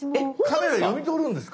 ⁉カメラ読み取るんですか？